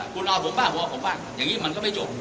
คุณรอผมบ้างวอผมบ้างอย่างนี้มันก็ไม่จบ